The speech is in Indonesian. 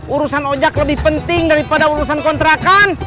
urusan ojek lebih penting daripada urusan kontrakan